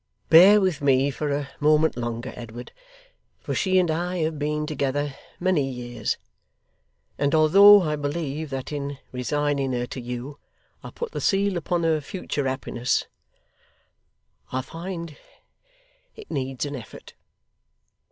Bear with me for a moment longer, Edward, for she and I have been together many years; and although I believe that in resigning her to you I put the seal upon her future happiness, I find it needs an effort.